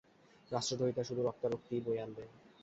রাষ্ট্রদ্রোহিতা শুধু রক্তারক্তিই বয়ে আনবে।